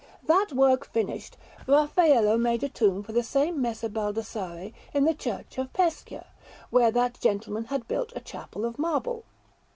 That work finished, Raffaello made a tomb for the same Messer Baldassarre in the Church of Pescia, where that gentleman had built a chapel of marble.